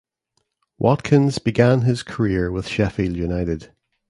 Watkins began his career with Sheffield United.